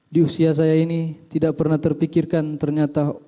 di usia saya ini tidak pernah terpikirkan ternyata